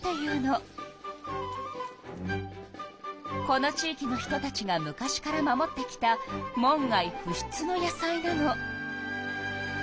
この地いきの人たちが昔から守ってきた門外不出の野菜なの。